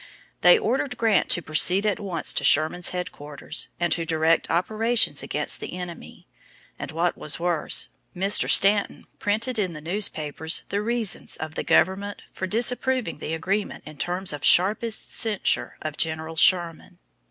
They ordered Grant to proceed at once to Sherman's headquarters, and to direct operations against the enemy; and, what was worse, Mr. Stanton printed in the newspapers the reasons of the government for disapproving the agreement in terms of sharpest censure of General Sherman.